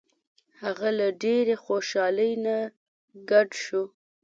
هغه له ډیرې خوشحالۍ نه ګډ شو.